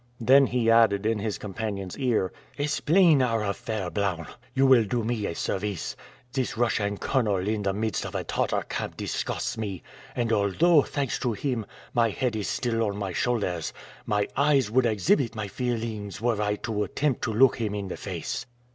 Then he added in his companion's ear, "Explain our affair, Blount. You will do me a service. This Russian colonel in the midst of a Tartar camp disgusts me; and although, thanks to him, my head is still on my shoulders, my eyes would exhibit my feelings were I to attempt to look him in the face."